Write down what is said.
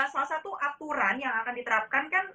salah satu aturan yang akan diterapkan kan